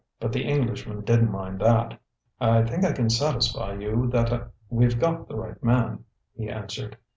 But the Englishman didn't mind that. "I think I can satisfy you that we've got the right man," he answered.